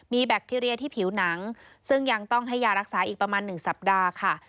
มีแบคทีเรียที่ผิวหนังซึ่งยังต้องให้ยารักษาอีกประมาณ๑สัปดาห์ค่ะ